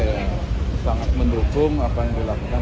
dia sangat sangat apa ya sangat mendukung apa yang dilakukan oleh tni